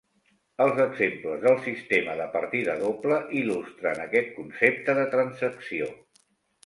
Els exemples del sistema de partida doble il·lustren aquest concepte de transacció.